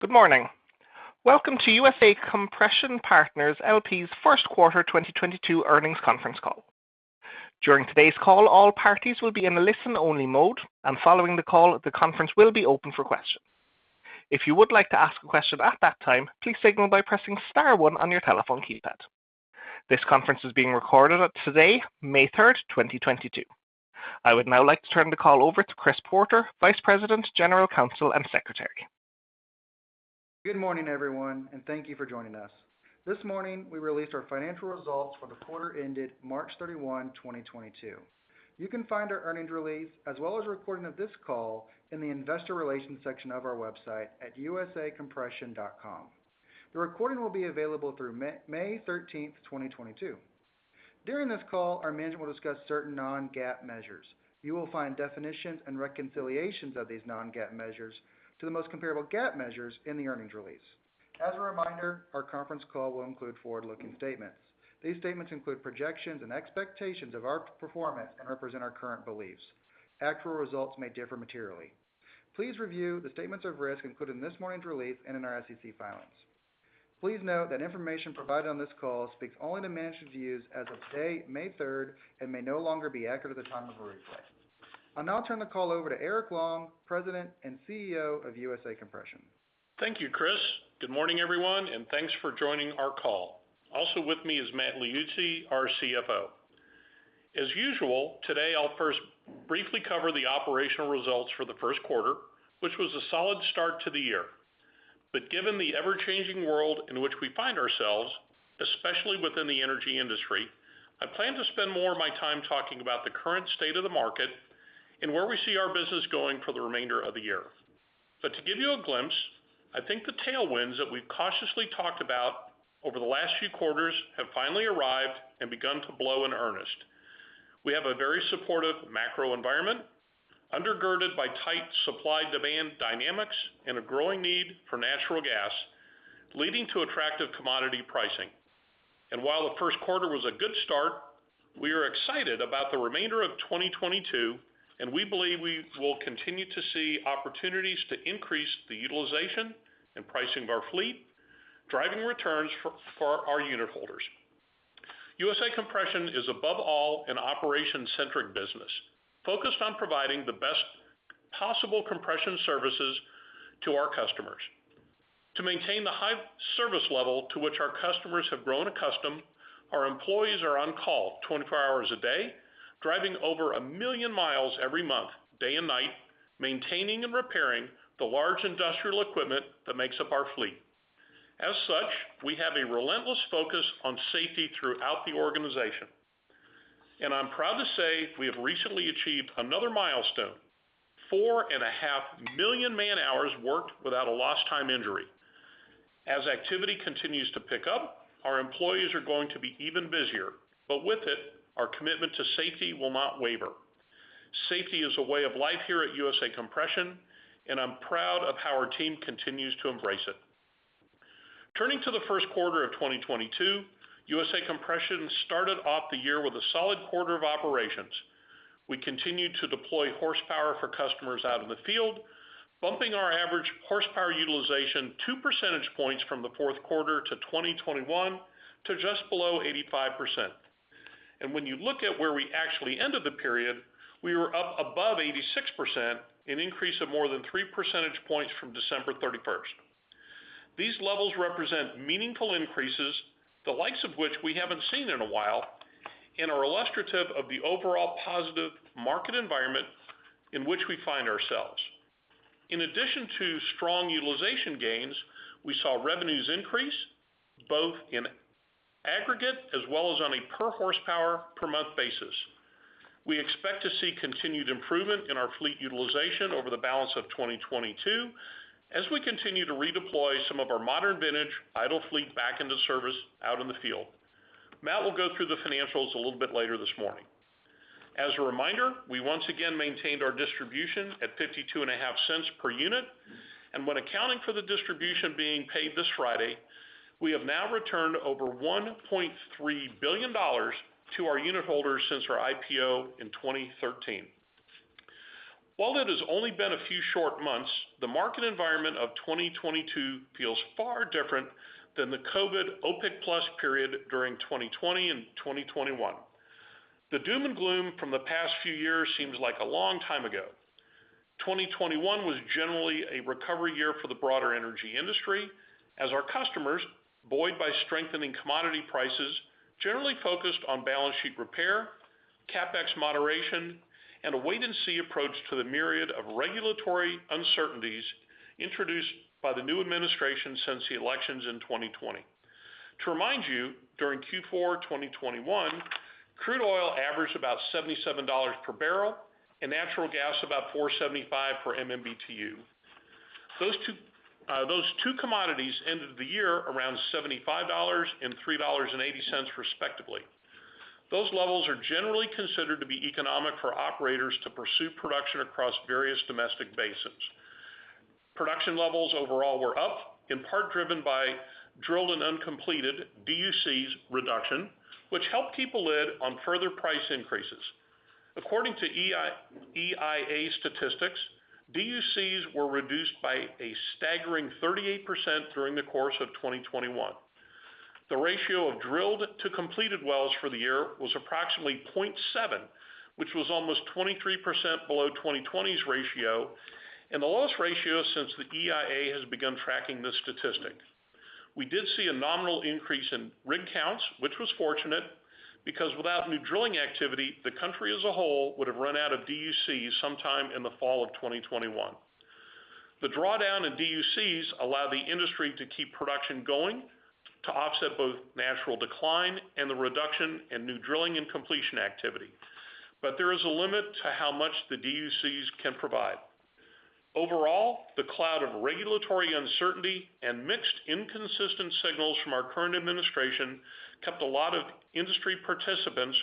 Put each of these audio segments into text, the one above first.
Good morning. Welcome to USA Compression Partners, LP's first 2022 earnings conference call. During today's call, all parties will be in a listen-only mode, and following the call, the conference will be open for questions. If you would like to ask a question at that time, please signal by pressing star one on your telephone keypad. This conference is being recorded as of today, May 3, 2022. I would now like to turn the call over to Chris Porter, Vice President, General Counsel, and Secretary. Good morning, everyone, and thank you for joining us. This morning, we released our financial results for the quarter ended March 31, 2022. You can find our earnings release as well as a recording of this call in the investor relations section of our website at usacompression.com. The recording will be available through May 13, 2022. During this call, our management will discuss certain non-GAAP measures. You will find definitions and reconciliations of these non-GAAP measures to the most comparable GAAP measures in the earnings release. As a reminder, our conference call will include forward-looking statements. These statements include projections and expectations of our performance and represent our current beliefs. Actual results may differ materially. Please review the statements of risk included in this morning's release and in our SEC filings. Please note that information provided on this call speaks only to management views as of today, May third, and may no longer be accurate at the time of a replay. I'll now turn the call over to Eric Long, President and CEO of USA Compression. Thank you, Chris. Good morning, everyone, and thanks for joining our call. Also with me is Matt Liuzzi, our CFO. As usual, today I'll first briefly cover the operational results for the Q1, which was a solid start to the. Given the ever-changing world in which we find ourselves, especially within the energy industry, I plan to spend more of my time talking about the current state of the market and where we see our business going for the remainder of the year. To give you a glimpse, I think the tailwinds that we've cautiously talked about over the last few quarters have finally arrived and begun to blow in earnest. We have a very supportive macro environment undergirded by tight supply-demand dynamics and a growing need for natural gas, leading to attractive commodity pricing. While the Q1 was a good start, we are excited about the remainder of 2022, and we believe we will continue to see opportunities to increase the utilization and pricing of our fleet, driving returns for our unitholders. USA Compression is above all an operation-centric business, focused on providing the best possible compression services to our customers. To maintain the high service level to which our customers have grown accustomed, our employees are on call 24 hours a day, driving over 1 million miles every month, day and night, maintaining and repairing the large industrial equipment that makes up our fleet. As such, we have a relentless focus on safety throughout the organization. I'm proud to say we have recently achieved another milestone, 4.5 million man-hours worked without a lost time injury. As activity continues to pick up, our employees are going to be even busier. With it, our commitment to safety will not waver. Safety is a way of life here at USA Compression, and I'm proud of how our team continues to embrace it. Turning to the Q1 of 2022, USA Compression started off the year with a solid quarter of operations. We continued to deploy horsepower for customers out in the field, bumping our average horsepower utilization 2 percentage points from the Q4 of 2021 to just below 85%. When you look at where we actually ended the period, we were up above 86%, an increase of more than 3 percentage points from December 31. These levels represent meaningful increases, the likes of which we haven't seen in a while, and are illustrative of the overall positive market environment in which we find ourselves. In addition to strong utilization gains, we saw revenues increase both in aggregate as well as on a per horsepower per month basis. We expect to see continued improvement in our fleet utilization over the balance of 2022 as we continue to redeploy some of our modern vintage idle fleet back into service out in the field. Matt will go through the financials a little bit later this morning. As a reminder, we once again maintained our distribution at $0.525 per unit. When accounting for the distribution being paid this Friday, we have now returned over $1.3 billion to our unitholders since our IPO in 2013. While it has only been a few short months, the market environment of 2022 feels far different than the COVID OPEC+ period during 2020 and 2021. The doom and gloom from the past few years seems like a long time ago. 2021 was generally a recovery year for the broader energy industry as our customers, buoyed by strengthening commodity prices, generally focused on balance sheet repair, CapEx moderation, and a wait-and-see approach to the myriad of regulatory uncertainties introduced by the new administration since the elections in 2020. To remind you, during Q4 2021, crude oil averaged about $77 per barrel and natural gas about $4.75 per MMBTU. Those two commodities ended the year around $75 and $3.80, respectively. Those levels are generally considered to be economic for operators to pursue production across various domestic basins. Production levels overall were up, in part driven by drilled but uncompleted DUCs reduction, which helped keep a lid on further price increases. According to EIA statistics, DUCs were reduced by a staggering 38% during the course of 2021. The ratio of drilled to completed wells for the year was approximately 0.7, which was almost 23% below 2020's ratio and the lowest ratio since the EIA has begun tracking this statistic. We did see a nominal increase in rig counts, which was fortunate because without new drilling activity, the country as a whole would have run out of DUCs sometime in the fall of 2021. The drawdown in DUCs allowed the industry to keep production going to offset both natural decline and the reduction in new drilling and completion activity. There is a limit to how much the DUCs can provide. Overall, the cloud of regulatory uncertainty and mixed inconsistent signals from our current administration kept a lot of industry participants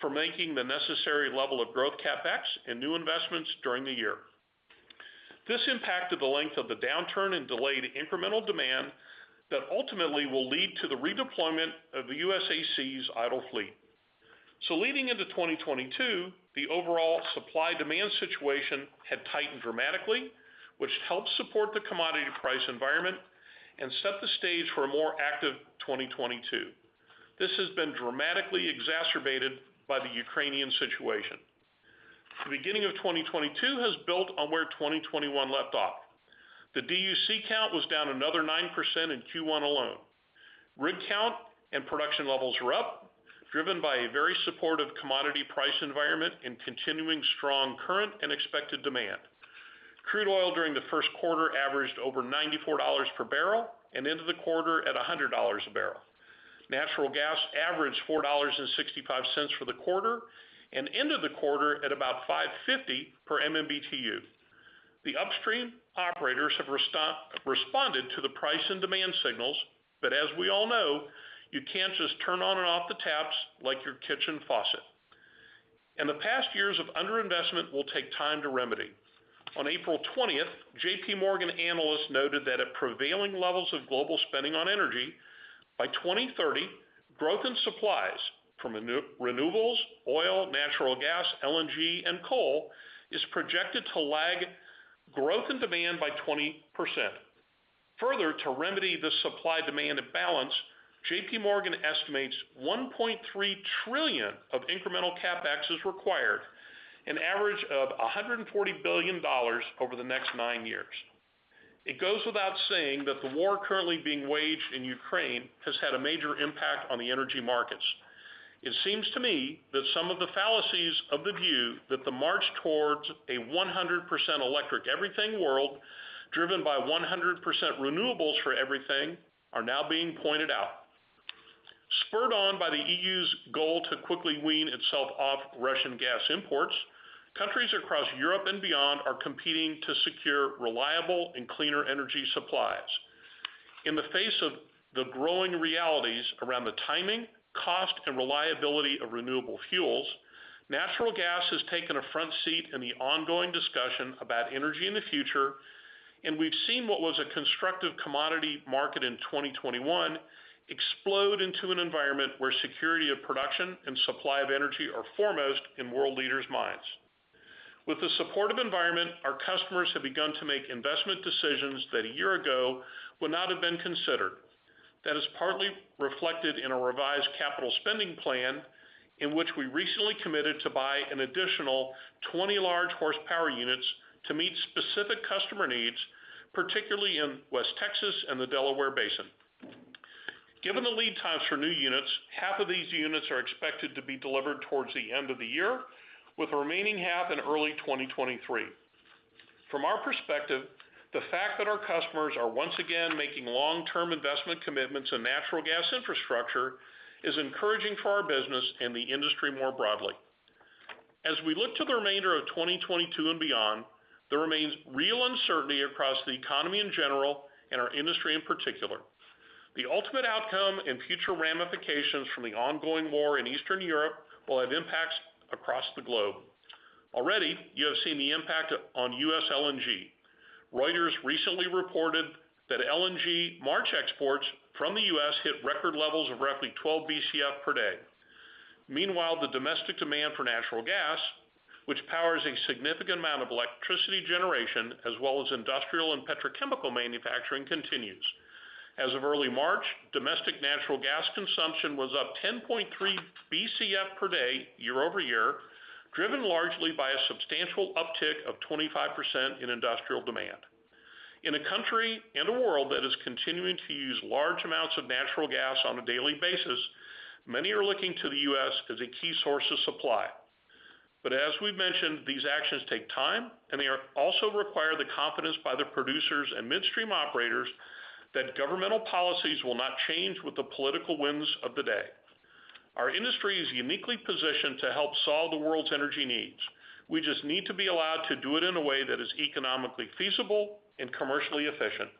from making the necessary level of growth CapEx and new investments during the year. This impacted the length of the downturn and delayed incremental demand that ultimately will lead to the redeployment of the USAC's idle fleet. Leading into 2022, the overall supply demand situation had tightened dramatically, which helped support the commodity price environment and set the stage for a more active 2022. This has been dramatically exacerbated by the Ukrainian situation. The beginning of 2022 has built on where 2021 left off. The DUCs count was down another 9% in Q1 alone. Rig count and production levels are up, driven by a very supportive commodity price environment and continuing strong current and expected demand. Crude oil during the Q1 averaged over $94 per barrel and into the quarter at $100 a barrel. Natural gas averaged $4.65 for the quarter and into the quarter at about $5.50 per MMBTU. The upstream operators have responded to the price and demand signals, but as we all know, you can't just turn on and off the taps like your kitchen faucet. The past years of under-investment will take time to remedy. On April 20, JPMorgan analysts noted that at prevailing levels of global spending on energy, by 2030, growth in supplies from renewables, oil, natural gas, LNG, and coal is projected to lag growth in demand by 20%. Further, to remedy the supply-demand imbalance, JPMorgan estimates $1.3 trillion of incremental CapEx is required, an average of $140 billion over the next nine years. It goes without saying that the war currently being waged in Ukraine has had a major impact on the energy markets. It seems to me that some of the fallacies of the view that the march towards a 100% electric everything world, driven by 100% renewables for everything, are now being pointed out. Spurred on by the EU's goal to quickly wean itself off Russian gas imports, countries across Europe and beyond are competing to secure reliable and cleaner energy supplies. In the face of the growing realities around the timing, cost, and reliability of renewable fuels, natural gas has taken a front seat in the ongoing discussion about energy in the future, and we've seen what was a constructive commodity market in 2021 explode into an environment where security of production and supply of energy are foremost in world leaders' minds. With the supportive environment, our customers have begun to make investment decisions that a year ago would not have been considered. That is partly reflected in a revised capital spending plan in which we recently committed to buy an additional 20 large horsepower units to meet specific customer needs, particularly in West Texas and the Delaware Basin. Given the lead times for new units, half of these units are expected to be delivered towards the end of the year, with the remaining half in early 2023. From our perspective, the fact that our customers are once again making long-term investment commitments in natural gas infrastructure is encouraging for our business and the industry more broadly. As we look to the remainder of 2022 and beyond, there remains real uncertainty across the economy in general and our industry in particular. The ultimate outcome and future ramifications from the ongoing war in Eastern Europe will have impacts across the globe. Already, you have seen the impact on U.S. LNG. Reuters recently reported that LNG March exports from the U.S. hit record levels of roughly 12 BCF per day. Meanwhile, the domestic demand for natural gas, which powers a significant amount of electricity generation, as well as industrial and petrochemical manufacturing, continues. As of early March, domestic natural gas consumption was up 10.3 BCF per day, year-over-year, driven largely by a substantial uptick of 25% in industrial demand. In a country and a world that is continuing to use large amounts of natural gas on a daily basis, many are looking to the U.S. as a key source of supply. But as we've mentioned, these actions take time, and they also require the confidence by the producers and midstream operators that governmental policies will not change with the political winds of the day. Our industry is uniquely positioned to help solve the world's energy needs. We just need to be allowed to do it in a way that is economically feasible and commercially efficient.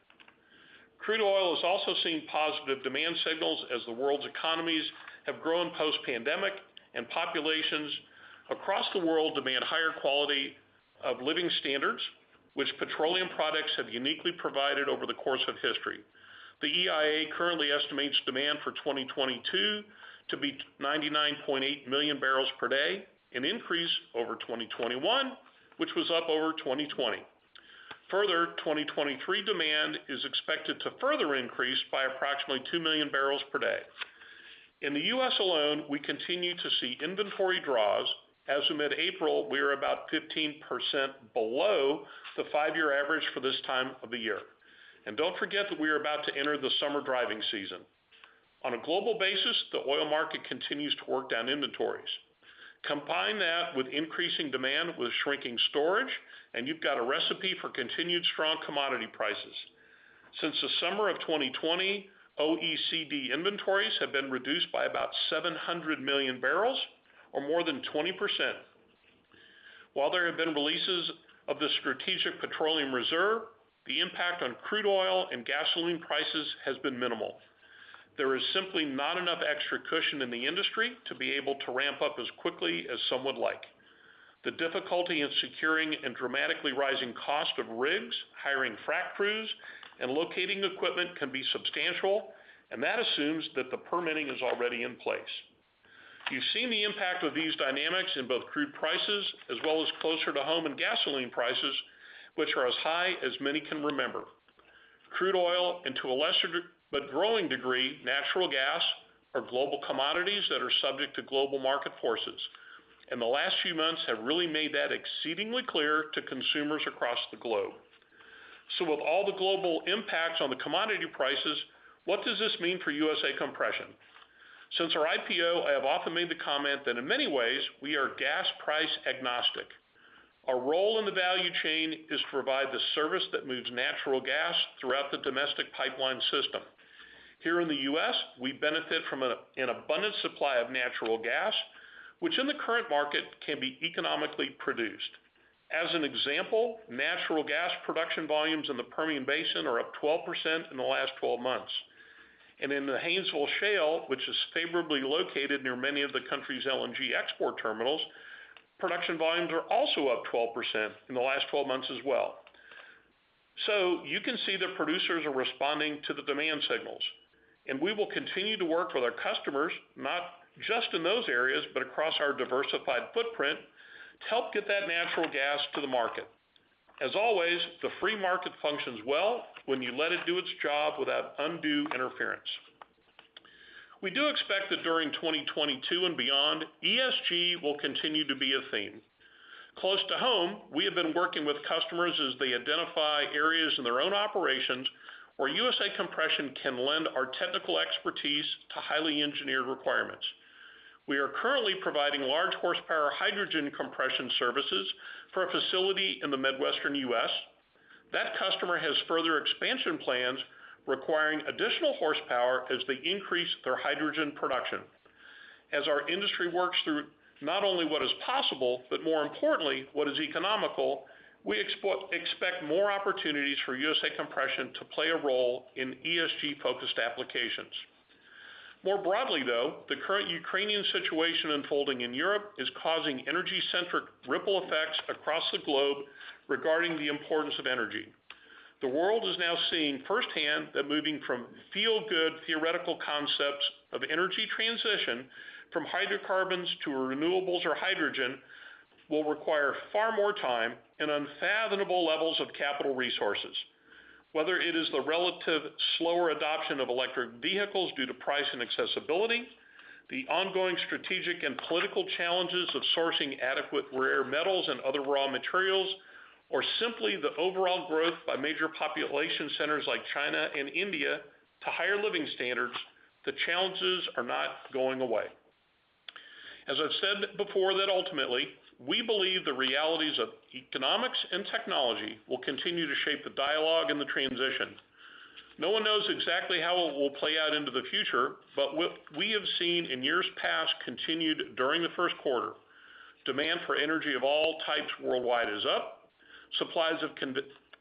Crude oil has also seen positive demand signals as the world's economies have grown post-pandemic and populations across the world demand higher quality of living standards, which petroleum products have uniquely provided over the course of history. The EIA currently estimates demand for 2022 to be 99.8 million barrels per day, an increase over 2021, which was up over 2020. Further, 2023 demand is expected to further increase by approximately 2 million barrels per day. In the U.S. alone, we continue to see inventory draws. As of mid-April, we are about 15% below the five-year average for this time of the year. Don't forget that we are about to enter the summer driving season. On a global basis, the oil market continues to work down inventories. Combine that with increasing demand with shrinking storage, and you've got a recipe for continued strong commodity prices. Since the summer of 2020, OECD inventories have been reduced by about 700 million barrels, or more than 20%. While there have been releases of the Strategic Petroleum Reserve, the impact on crude oil and gasoline prices has been minimal. There is simply not enough extra cushion in the industry to be able to ramp up as quickly as some would like. The difficulty in securing and dramatically rising cost of rigs, hiring frac crews, and locating equipment can be substantial, and that assumes that the permitting is already in place. You've seen the impact of these dynamics in both crude prices as well as closer to home and gasoline prices, which are as high as many can remember. Crude oil, and to a lesser but growing degree, natural gas, are global commodities that are subject to global market forces. The last few months have really made that exceedingly clear to consumers across the globe. With all the global impacts on the commodity prices, what does this mean for USA Compression? Since our IPO, I have often made the comment that in many ways, we are gas price agnostic. Our role in the value chain is to provide the service that moves natural gas throughout the domestic pipeline system. Here in the U.S., we benefit from an abundant supply of natural gas, which in the current market can be economically produced. As an example, natural gas production volumes in the Permian Basin are up 12% in the last 12 months. In the Haynesville Shale, which is favorably located near many of the country's LNG export terminals, production volumes are also up 12% in the last 12 months as well. You can see the producers are responding to the demand signals, and we will continue to work with our customers, not just in those areas, but across our diversified footprint, to help get that natural gas to the market. As always, the free market functions well when you let it do its job without undue interference. We do expect that during 2022 and beyond, ESG will continue to be a theme. Close to home, we have been working with customers as they identify areas in their own operations where USA Compression can lend our technical expertise to highly engineered requirements. We are currently providing large horsepower hydrogen compression services for a facility in the Midwestern U.S. That customer has further expansion plans requiring additional horsepower as they increase their hydrogen production. As our industry works through not only what is possible, but more importantly, what is economical, we expect more opportunities for USA Compression to play a role in ESG-focused applications. More broadly, though, the current Ukrainian situation unfolding in Europe is causing energy-centric ripple effects across the globe regarding the importance of energy. The world is now seeing firsthand that moving from feel-good theoretical concepts of energy transition from hydrocarbons to renewables or hydrogen will require far more time and unfathomable levels of capital resources. Whether it is the relative slower adoption of electric vehicles due to price and accessibility, the ongoing strategic and political challenges of sourcing adequate rare metals and other raw materials, or simply the overall growth by major population centers like China and India to higher living standards, the challenges are not going away. As I've said before that ultimately, we believe the realities of economics and technology will continue to shape the dialogue and the transition. No one knows exactly how it will play out into the future, but what we have seen in years past continued during the Q1. Demand for energy of all types worldwide is up, supplies of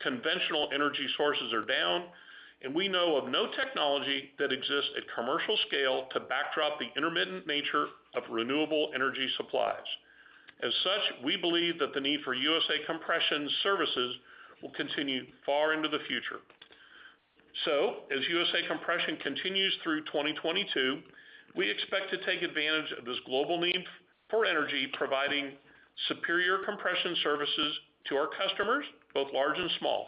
conventional energy sources are down, and we know of no technology that exists at commercial scale to backstop the intermittent nature of renewable energy supplies. As such, we believe that the need for USA Compression services will continue far into the future. As USA Compression continues through 2022, we expect to take advantage of this global need for energy, providing superior compression services to our customers, both large and small.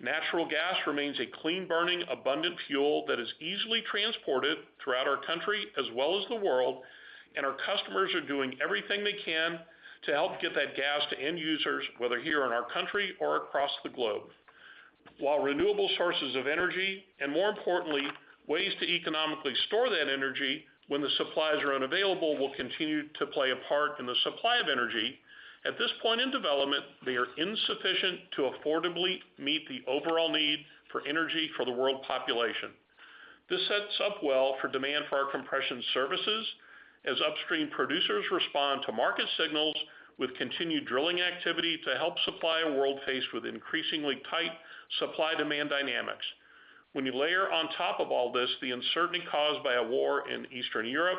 Natural gas remains a clean burning, abundant fuel that is easily transported throughout our country as well as the world, and our customers are doing everything they can to help get that gas to end users, whether here in our country or across the globe. While renewable sources of energy, and more importantly, ways to economically store that energy when the supplies are unavailable, will continue to play a part in the supply of energy. At this point in development, they are insufficient to affordably meet the overall need for energy for the world population. This sets up well for demand for our compression services as upstream producers respond to market signals with continued drilling activity to help supply a world faced with increasingly tight supply-demand dynamics. When you layer on top of all this, the uncertainty caused by a war in Eastern Europe,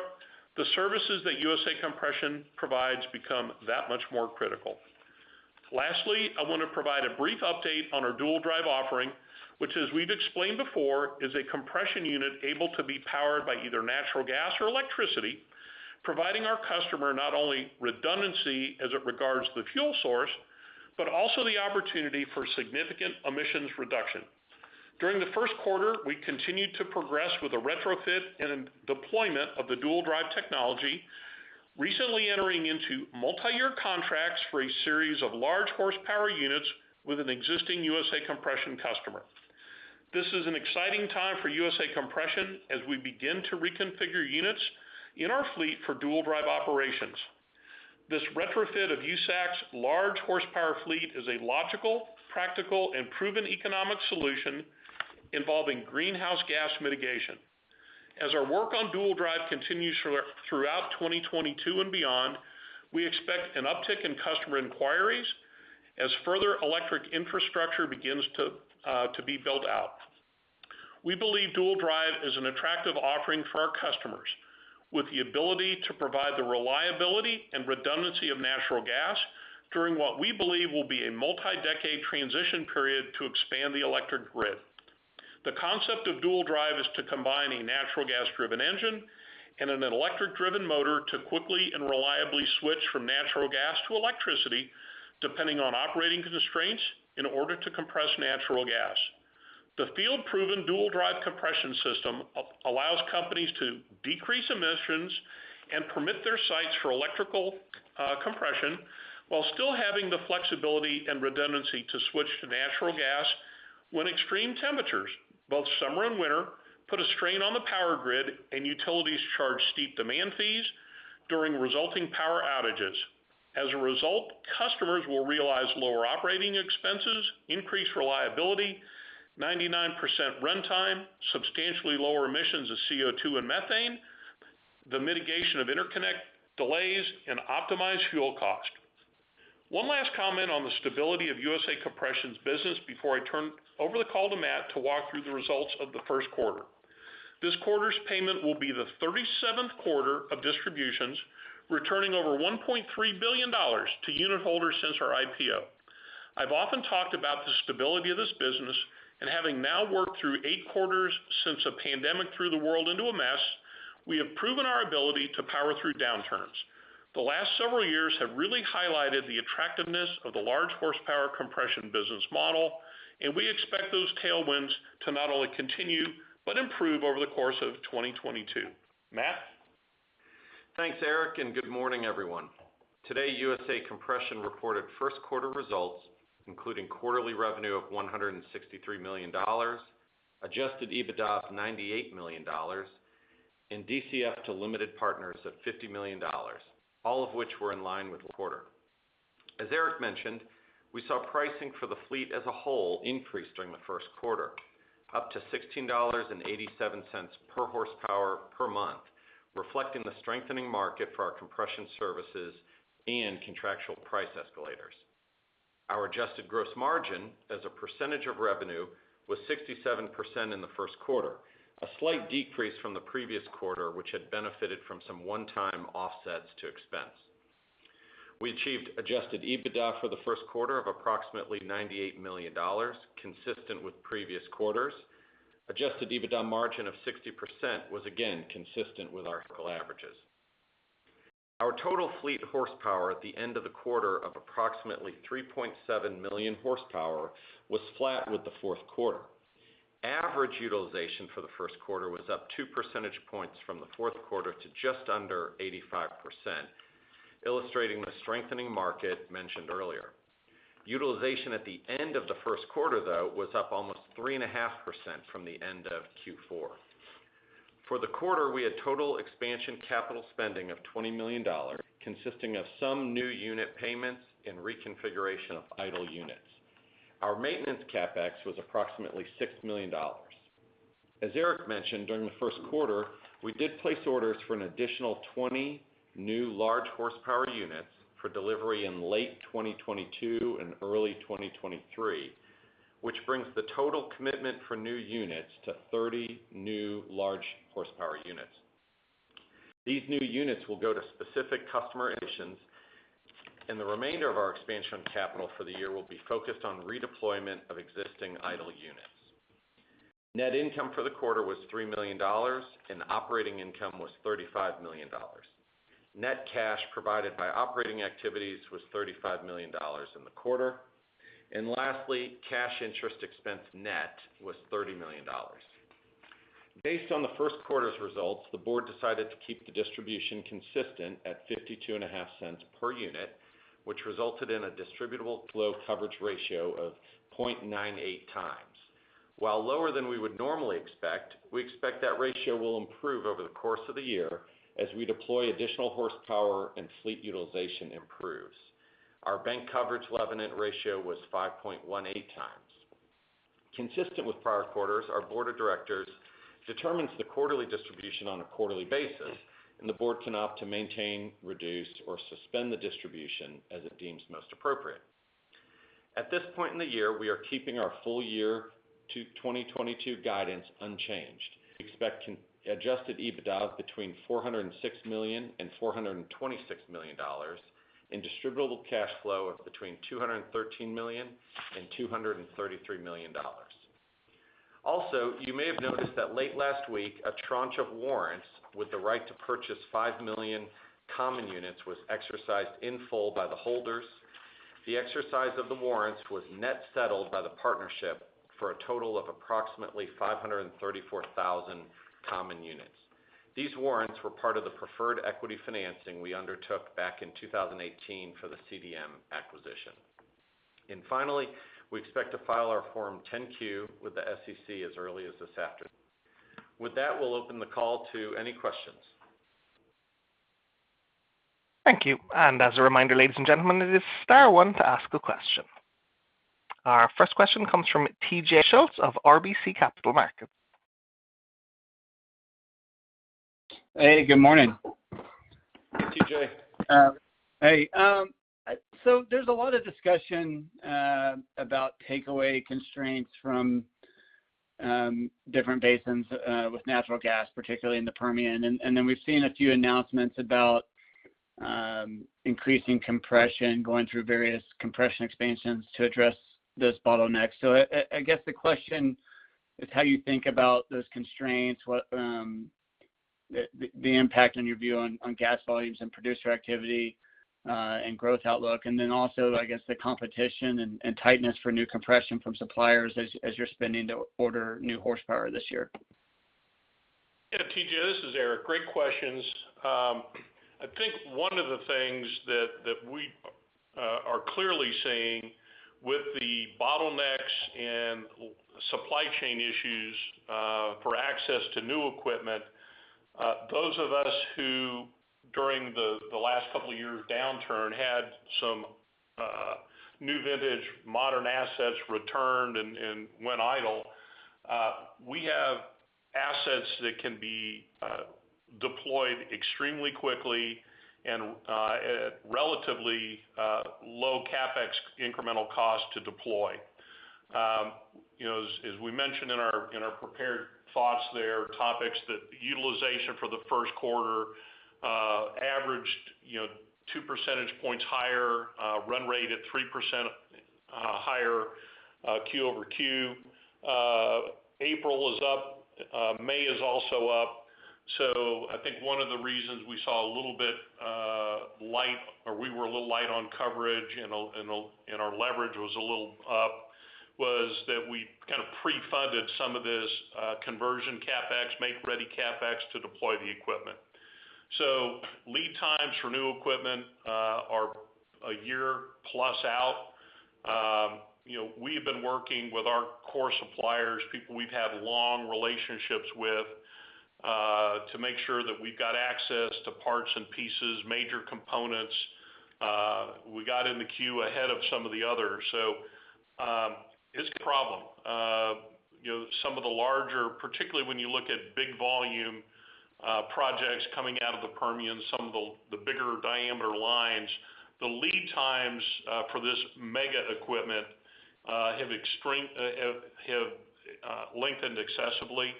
the services that USA Compression provides become that much more critical. Lastly, I want to provide a brief update on our Dual Drive offering, which as we've explained before, is a compression unit able to be powered by either natural gas or electricity, providing our customer not only redundancy as it regards the fuel source, but also the opportunity for significant emissions reduction. During the Q1, we continued to progress with the retrofit and deployment of the Dual Drive technology, recently entering into multi-year contracts for a series of large horsepower units with an existing USA Compression customer. This is an exciting time for USA Compression as we begin to reconfigure units in our fleet for Dual Drive operations. This retrofit of USAC's large horsepower fleet is a logical, practical, and proven economic solution involving greenhouse gas mitigation. As our work on Dual Drive continues throughout 2022 and beyond, we expect an uptick in customer inquiries as further electric infrastructure begins to be built out. We believe Dual Drive is an attractive offering for our customers, with the ability to provide the reliability and redundancy of natural gas during what we believe will be a multi-decade transition period to expand the electric grid. The concept of Dual Drive is to combine a natural gas-driven engine and an electric-driven motor to quickly and reliably switch from natural gas to electricity, depending on operating constraints in order to compress natural gas. The field-proven Dual Drive compression system allows companies to decrease emissions and permit their sites for electrical compression while still having the flexibility and redundancy to switch to natural gas when extreme temperatures, both summer and winter, put a strain on the power grid and utilities charge steep demand fees during resulting power outages. As a result, customers will realize lower operating expenses, increased reliability, 99% runtime, substantially lower emissions of CO2 and methane, the mitigation of interconnect delays, and optimized fuel cost. One last comment on the stability of USA Compression's business before I turn over the call to Matt to walk through the results of the Q1. This quarter's payment will be the thirty-seventh quarter of distributions, returning over $1.3 billion to unit holders since our IPO. I've often talked about the stability of this business, and having now worked through Q8 since a pandemic threw the world into a mess, we have proven our ability to power through downturns. The last several years have really highlighted the attractiveness of the large horsepower compression business model, and we expect those tailwinds to not only continue, but improve over the course of 2022. Matt? Thanks, Eric, and good morning, everyone. Today, USA Compression reported Q1 results, including quarterly revenue of $163 million, Adjusted EBITDA of $98 million, and DCF to limited partners of $50 million, all of which were in line with the quarter. As Eric mentioned, we saw pricing for the fleet as a whole increase during the Q1, up to $16.87 per horsepower per month, reflecting the strengthening market for our compression services and contractual price escalators. Our adjusted gross margin as a percentage of revenue was 67% in the Q1, a slight decrease from the previous quarter, which had benefited from some one-time offsets to expense. We achieved Adjusted EBITDA for the Q1 of approximately $98 million, consistent with previous quarters. Adjusted EBITDA margin of 60% was again consistent with our historical averages. Our total fleet horsepower at the end of the quarter of approximately 3.7 million horsepower was flat with the Q4. Average utilization for the Q1 was up 2 percentage points from the Q4 to just under 85%, illustrating the strengthening market mentioned earlier. Utilization at the end of the Q1, though, was up almost 3.5% from the end of Q4. For the quarter, we had total expansion capital spending of $20 million, consisting of some new unit payments and reconfiguration of idle units. Our maintenance CapEx was approximately $6 million. As Eric mentioned, during the Q1, we did place orders for an additional 20 new large horsepower units for delivery in late 2022 and early 2023, which brings the total commitment for new units to 30 new large horsepower units. These new units will go to specific customer additions, and the remainder of our expansion capital for the year will be focused on redeployment of existing idle units. Net income for the quarter was $3 million, and operating income was $35 million. Net cash provided by operating activities was $35 million in the quarter. Lastly, cash interest expense net was $30 million. Based on the Q1 results, the board decided to keep the distribution consistent at $0.525 per unit, which resulted in a distributable flow coverage ratio of 0.98 times. While lower than we would normally expect, we expect that ratio will improve over the course of the year as we deploy additional horsepower and fleet utilization improves. Our bank coverage covenant ratio was 5.18 times. Consistent with prior quarters, our board of directors determines the quarterly distribution on a quarterly basis, and the board can opt to maintain, reduce, or suspend the distribution as it deems most appropriate. At this point in the year, we are keeping our full year to 2022 guidance unchanged. Expect an Adjusted EBITDA of between $406 million and $426 million and distributable cash flow of between $213 million and $233 million. Also, you may have noticed that late last week, a tranche of warrants with the right to purchase 5 million common units was exercised in full by the holders. The exercise of the warrants was net settled by the partnership for a total of approximately 534,000 common units. These warrants were part of the preferred equity financing we undertook back in 2018 for the CDM acquisition. Finally, we expect to file our Form 10-Q with the SEC as early as this afternoon. With that, we'll open the call to any questions. Thank you. As a reminder, ladies and gentlemen, it is star one to ask a question. Our first question comes from T.J. Schultz of RBC Capital Markets. Hey, good morning. T.J. Hey. There's a lot of discussion about takeaway constraints from different basins with natural gas, particularly in the Permian. Then we've seen a few announcements about increasing compression, going through various compression expansions to address those bottlenecks. I guess the question is how you think about those constraints, what the impact on your view on gas volumes and producer activity, and growth outlook. Then also, I guess, the competition and tightness for new compression from suppliers as you're spending to order new horsepower this year. Yeah, T.J., this is Eric. Great questions. I think one of the things that we are clearly seeing with the bottlenecks and supply chain issues for access to new equipment, those of us who during the last couple of years downturn had some new vintage modern assets returned and went idle, we have assets that can be deployed extremely quickly and at relatively low CapEx incremental cost to deploy. You know, as we mentioned in our prepared thoughts there, on top of that utilization for the Q1 er averaged, you know, 2 percentage points higher, run rate at 3% higher quarter-over-quarter. April is up. May is also up. I think one of the reasons we saw a little bit light or we were a little light on coverage and our leverage was a little up was that we kind of pre-funded some of this conversion CapEx, make-ready CapEx to deploy the equipment. Lead times for new equipment are a year plus out. You know, we have been working with our core suppliers, people we've had long relationships with, to make sure that we've got access to parts and pieces, major components. We got in the queue ahead of some of the others. It's a problem. You know, some of the larger, particularly when you look at big volume projects coming out of the Permian, some of the bigger diameter lines, the lead times for this mega equipment have lengthened excessively.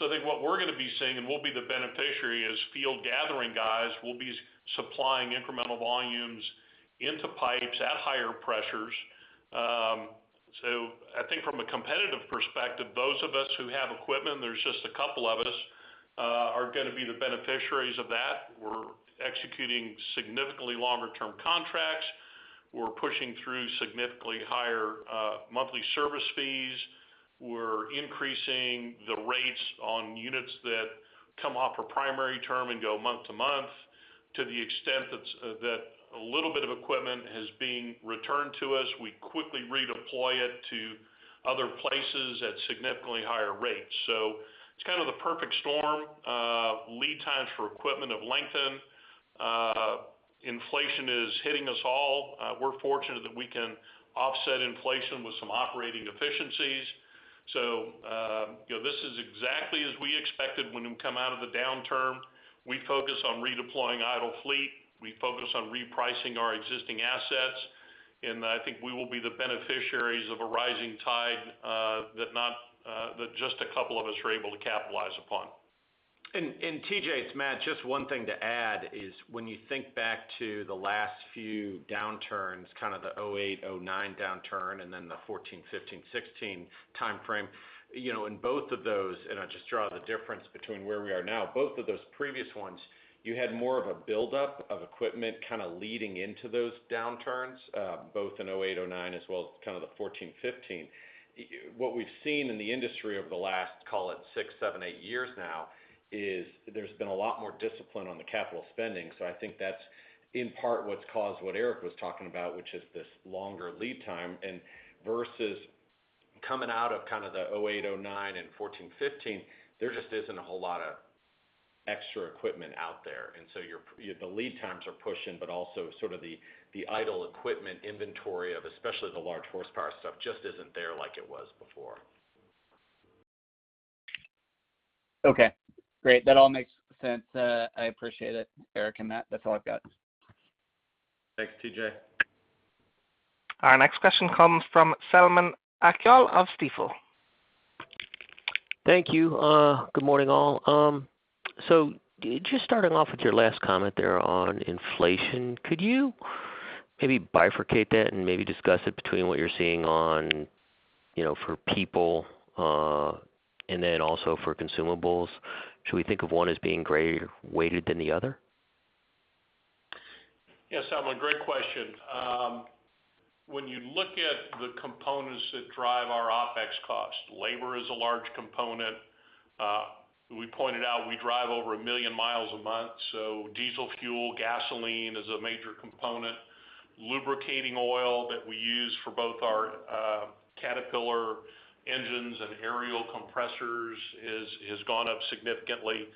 I think what we're going to be seeing, and we'll be the beneficiary, is field gathering guys will be supplying incremental volumes into pipes at higher pressures. I think from a competitive perspective, those of us who have equipment, there's just a couple of us, are going to be the beneficiaries of that. We're executing significantly longer term contracts. We're pushing through significantly higher monthly service fees. We're increasing the rates on units that come off a primary term and go month to month. To the extent that a little bit of equipment is being returned to us, we quickly redeploy it to other places at significantly higher rates. It's kind of the perfect storm. Lead times for equipment have lengthened. Inflation is hitting us all. We're fortunate that we can offset inflation with some operating efficiencies. You know, this is exactly as we expected when we come out of the downturn. We focus on redeploying idle fleet. We focus on repricing our existing assets. I think we will be the beneficiaries of a rising tide that just a couple of us are able to capitalize upon. T.J., it's Matt. Just one thing to add is when you think back to the last few downturns, kind of the 2008, 2009 downturn and then the 2014, 2015, 2016 timeframe, you know, in both of those, and I just draw the difference between where we are now. Both of those previous ones, you had more of a buildup of equipment kind of leading into those downturns, both in 2008, 2009 as well as kind of the 2014, 2015. What we've seen in the industry over the last, call it six, seven, eight years now, is there's been a lot more discipline on the capital spending. So, I think that's in part what's caused what Eric was talking about, which is this longer lead time. Versus coming out of kind of the 2008, 2009 and 2014, 2015, there just isn't a whole lot of extra equipment out there. The lead times are pushing but also sort of the idle equipment inventory of especially the large horsepower stuff just isn't there like it was before. Okay, great. That all makes sense. I appreciate it, Eric and Matt. That's all I've got. Thanks, T.J. Our next question comes from Selman Akyol of Stifel. Thank you. Good morning, all. Just starting off with your last comment there on inflation, could you maybe bifurcate that and maybe discuss it between what you're seeing on, you know, for people, and then also for consumables? Should we think of one as being greater weighted than the other? Yeah, Selman, great question. When you look at the components that drive our OpEx cost, labor is a large component. We pointed out we drive over 1 million miles a month, so diesel fuel, gasoline is a major component. Lubricating oil that we use for both our Caterpillar engines and Ariel compressors is gone up significantly.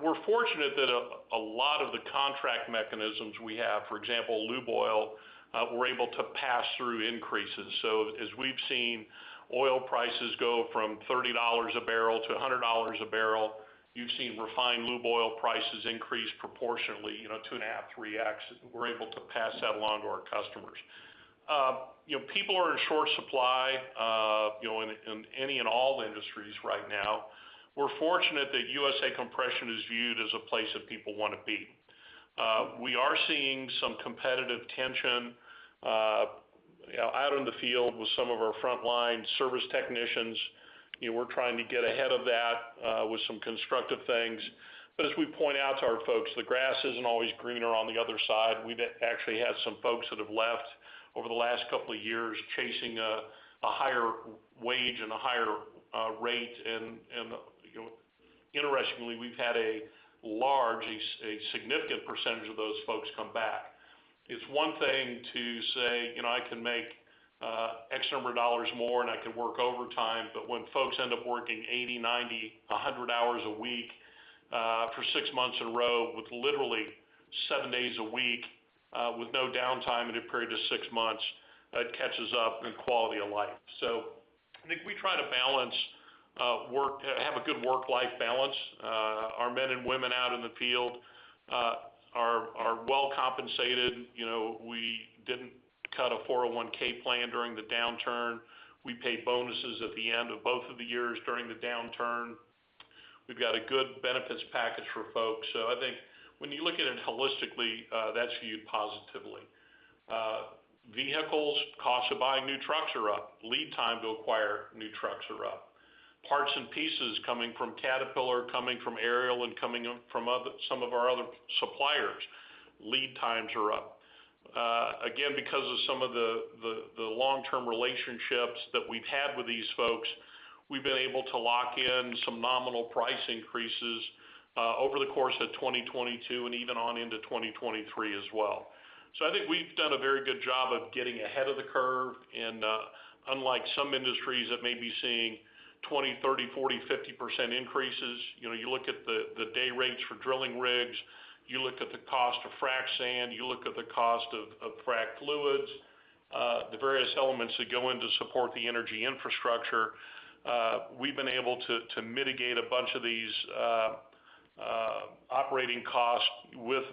We're fortunate that a lot of the contract mechanisms we have, for example, lube oil, we're able to pass through increases. So as we've seen oil prices go from $30 a barrel to $100 a barrel, you've seen refined lube oil prices increase proportionately, you know, 2.5, 3x. We're able to pass that along to our customers. You know, people are in short supply, you know, in any and all industries right now. We're fortunate that USA Compression is viewed as a place that people wanna be. We are seeing some competitive tension, you know, out in the field with some of our frontline service technicians. You know, we're trying to get ahead of that with some constructive things. As we point out to our folks, the grass isn't always greener on the other side. We've actually had some folks that have left over the last couple of years chasing a higher wage and a higher rate. You know, interestingly, we've had a significant percentage of those folks come back. It's one thing to say, "You know, I can make X number of dollars more, and I can work overtime." When folks end up working 80, 90, 100 hours a week, for six months in a row, with literally seven days a week, with no downtime in a period of six months, that catches up in quality of life. I think we try to balance, have a good work-life balance. Our men and women out in the field are well compensated. You know, we didn't cut a 401(k) plan during the downturn. We paid bonuses at the end of both of the years during the downturn. We've got a good benefits package for folks. I think when you look at it holistically, that's viewed positively. Vehicles, cost of buying new trucks are up. Lead time to acquire new trucks are up. Parts and pieces coming from Caterpillar, coming from Ariel, and from some of our other suppliers, lead times are up. Again, because of some of the long-term relationships that we've had with these folks, we've been able to lock in some nominal price increases over the course of 2022 and even on into 2023 as well. I think we've done a very good job of getting ahead of the curve and, unlike some industries that may be seeing 20%, 30%, 40%, 50% increases, you know, you look at the day rates for drilling rigs, you look at the cost of frac sand, you look at the cost of frac fluids, the various elements that go in to support the energy infrastructure, we've been able to mitigate a bunch of these operating costs with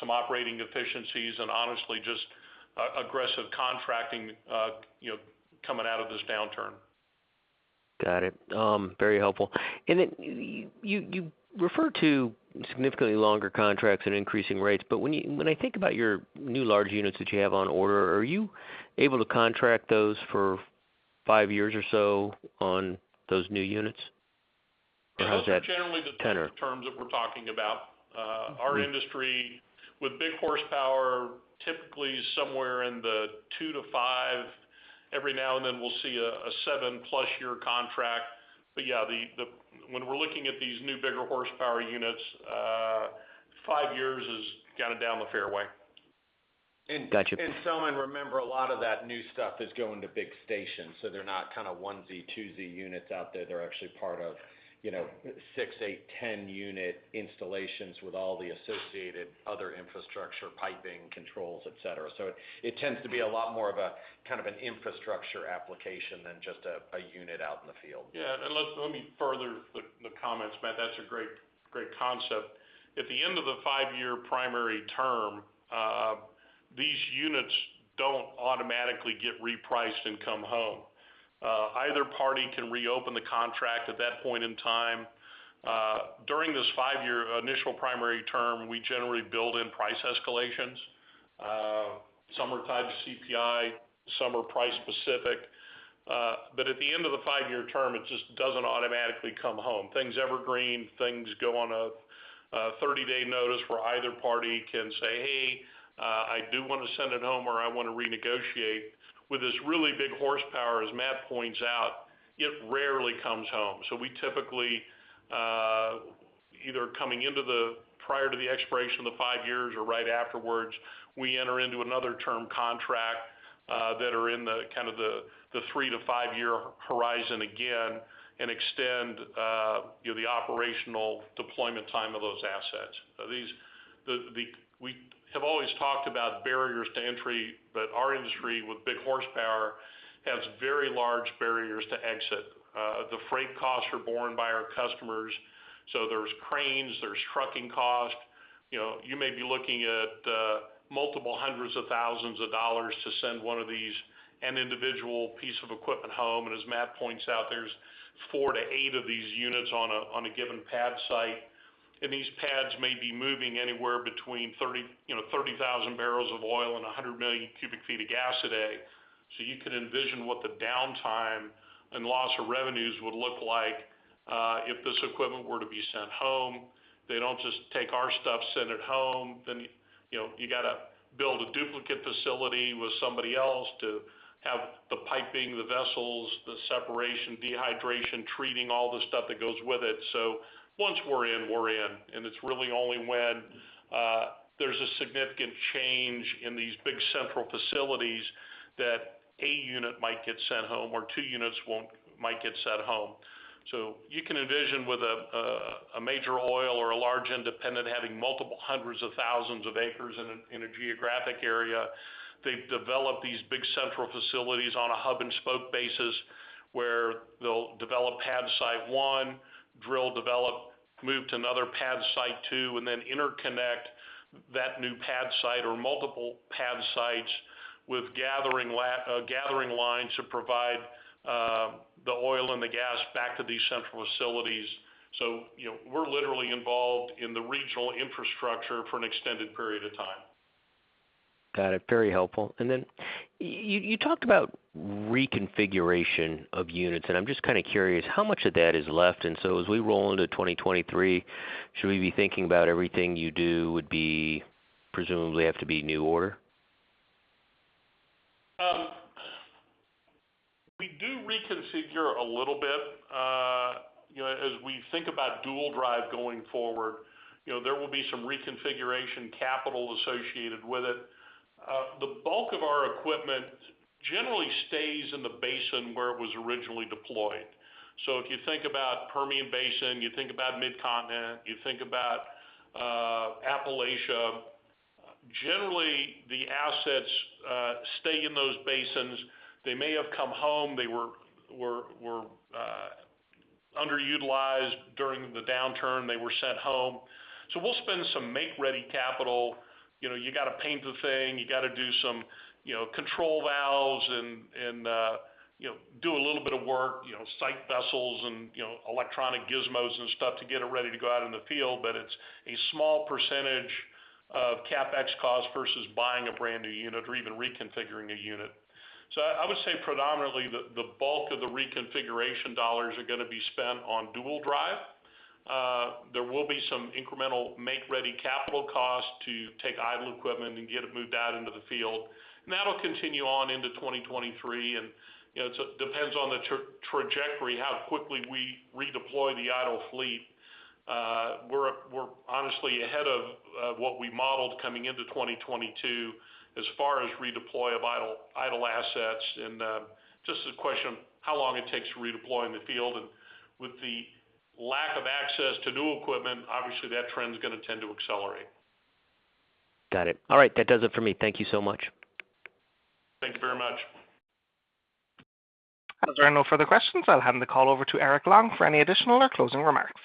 some operating efficiencies and honestly just aggressive contracting, you know, coming out of this downturn. Got it. Very helpful. You refer to significantly longer contracts at increasing rates, but when I think about your new large units that you have on order, are you able to contract those for five years or so on those new units? Or how's that tenor? Those are generally the terms that we're talking about. Our industry with big horsepower typically is somewhere in the 2-5. Every now and then we'll see a seven+ year contract. When we're looking at these new, bigger horsepower units, years years is kind of down the fairway. Gotcha. Selman, remember, a lot of that new stuff is going to big stations, so they're not kind of one Z, two Z units out there. They're actually part of, you know, 6, 8, 10 unit installations with all the associated other infrastructure, piping, controls, et cetera. It tends to be a lot more of a kind of an infrastructure application than just a unit out in the field. Yeah, let me further the comments, Matt. That's a great concept. At the end of the five-year primary term, these units don't automatically get repriced and come home. Either party can reopen the contract at that point in time. During this five-year initial primary term, we generally build in price escalations. Some are tied to CPI, some are price specific. At the end of the five-year term, it just doesn't automatically come home. Things evergreen. Things go on a 30-day notice where either party can say, "Hey, I do wanna send it home, or I wanna renegotiate." With this really big horsepower, as Matt points out, it rarely comes home. We typically either prior to the expiration of the five years or right afterwards, we enter into another term contract that are in the kind of the three- to five-year horizon again and extend, you know, the operational deployment time of those assets. The, we have always talked about barriers to entry, but our industry with big horsepower has very large barriers to exit. The freight costs are borne by our customers. There's cranes, there's trucking costs. You know, you may be looking at $ multiple hundreds of thousands to send one of these, an individual piece of equipment home. As Matt points out, there's 4-8 of these units on a given pad site. These pads may be moving anywhere between 30,000 barrels of oil and 100 million cubic feet of gas a day. You can envision what the downtime and loss of revenues would look like if this equipment were to be sent home. They don't just take our stuff, send it home, then you gotta build a duplicate facility with somebody else to have the piping, the vessels, the separation, dehydration, treating, all the stuff that goes with it. Once we're in, we're in. It's really only when there's a significant change in these big central facilities that a unit might get sent home. You can envision with a major oil or a large independent having multiple hundreds of thousands of acres in a geographic area. They've developed these big central facilities on a hub and spoke basis, where they'll develop pad site one, drill, develop, move to another pad site two, and then interconnect that new pad site or multiple pad sites with gathering lines to provide the oil and the gas back to these central facilities. You know, we're literally involved in the regional infrastructure for an extended period of time. Got it. Very helpful. You talked about reconfiguration of units, and I'm just kind of curious how much of that is left. As we roll into 2023, should we be thinking about everything you do would be, presumably, have to be new order? We do reconfigure a little bit. You know, as we think about Dual Drive going forward, you know, there will be some reconfiguration capital associated with it. The bulk of our equipment generally stays in the basin where it was originally deployed. If you think about Permian Basin, you think about Mid-Continent, you think about Appalachia, generally the assets stay in those basins. They may have come home. They were underutilized during the downturn. They were sent home. We'll spend some make-ready capital. You know, you gotta paint the thing. You gotta do some, you know, control valves and, you know, do a little bit of work, you know, site vessels and, you know, electronic gizmos and stuff to get it ready to go out in the field. It's a small percentage of CapEx cost versus buying a brand-new unit or even reconfiguring a unit. I would say predominantly the bulk of the reconfiguration dollars are gonna be spent on Dual Drive. There will be some incremental make-ready capital cost to take idle equipment and get it moved out into the field. That'll continue on into 2023. You know, it depends on the trajectory, how quickly we redeploy the idle fleet. We're honestly ahead of what we modeled coming into 2022 as far as redeploy of idle assets. Just a question of how long it takes to redeploy in the field. With the lack of access to new equipment, obviously, that trend's gonna tend to accelerate. Got it. All right, that does it for me. Thank you so much. Thank you very much. As there are no further questions, I'll hand the call over to Eric D. Long for any additional or closing remarks.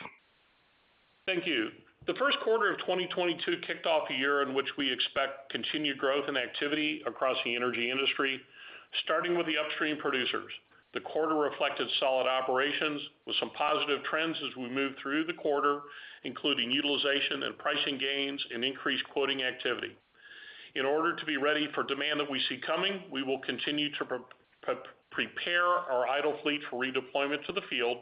Thank you. The Q1 of 2022 kicked off a year in which we expect continued growth and activity across the energy industry, starting with the upstream producers. The quarter reflected solid operations with some positive trends as we moved through the quarter, including utilization and pricing gains and increased quoting activity. In order to be ready for demand that we see coming, we will continue to prepare our idle fleet for redeployment to the field,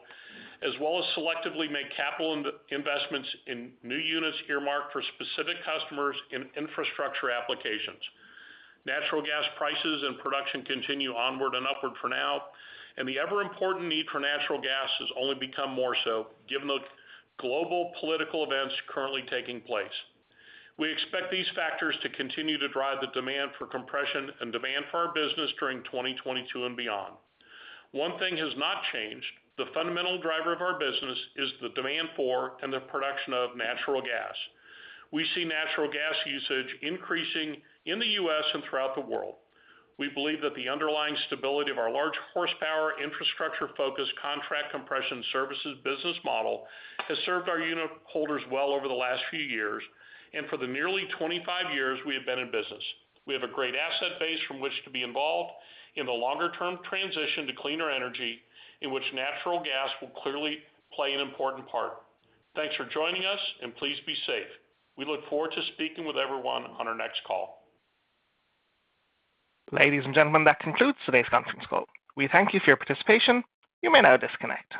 as well as selectively make capital investments in new units earmarked for specific customers in infrastructure applications. Natural gas prices and production continue onward and upward for now, and the ever-important need for natural gas has only become more so given the global political events currently taking place. We expect these factors to continue to drive the demand for compression and demand for our business during 2022 and beyond. One thing has not changed. The fundamental driver of our business is the demand for and the production of natural gas. We see natural gas usage increasing in the U.S. and throughout the world. We believe that the underlying stability of our large horsepower, infrastructure-focused Contract Compression Services business model has served our unitholders well over the last few years and for the nearly 25 years we have been in business. We have a great asset base from which to be involved in the longer-term transition to cleaner energy, in which natural gas will clearly play an important part. Thanks for joining us, and please be safe. We look forward to speaking with everyone on our next call. Ladies and gentlemen, that concludes today's conference call. We thank you for your participation. You may now disconnect.